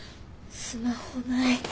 スマホない。